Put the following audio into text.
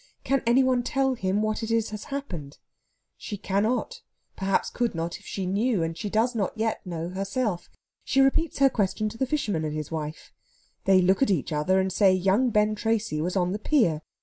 Can any one tell him what it is has happened? She cannot perhaps could not if she knew and she does not yet know herself. She repeats her question to the fisherman and his wife. They look at each other and say young Ben Tracy was on the pier.